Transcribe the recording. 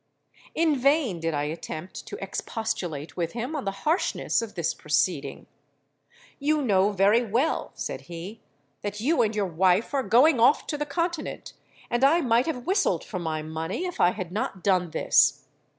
In vain did I attempt to expostulate with him on the harshness of this proceeding. 'You know very well,' said he, 'that you and your wife are going off to the continent, and I might have whistled for my money if I had not done this.